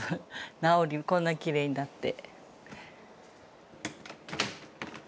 こんなきれいになって。